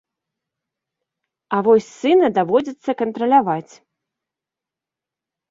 А вось сына даводзіцца кантраляваць.